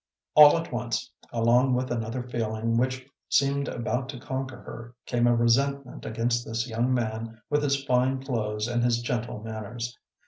All at once, along with another feeling which seemed about to conquer her, came a resentment against this young man with his fine clothes and his gentle manners.